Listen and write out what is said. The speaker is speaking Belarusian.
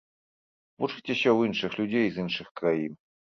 Вучыцеся ў іншых людзей з іншых краін.